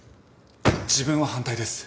自分は反対です。